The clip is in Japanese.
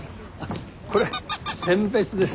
これせん別です。